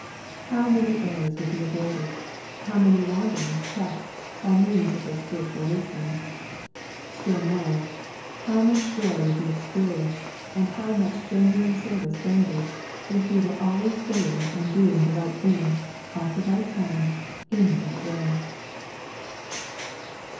How many errors would be avoided, how many wanderings checked, by means of this spiritual wisdom ! Still more, how much joy would be experienced and how much genuine ser vice rendered, if we were always saying and doing the right thing, at the right time, in the right way.